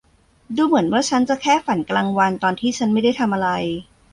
ดูเหมือนว่าฉันจะแค่ฝันกลางวันตอนที่ฉันไม่ได้ทำอะไร